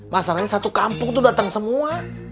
masalahnya satu kampung tuh dateng semua